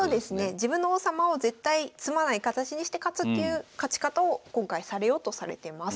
自分の王様を絶対詰まない形にして勝つっていう勝ち方を今回されようとされてます。